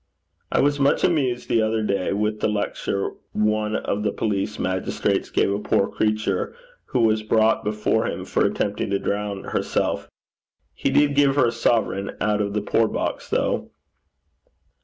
'I was much amused the other day with the lecture one of the police magistrates gave a poor creature who was brought before him for attempting to drown herself. He did give her a sovereign out of the poor box, though.'